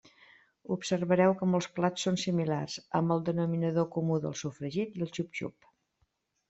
Observareu que molts plats són simi-lars, amb el denominador comú del so-fregit i el xup-xup.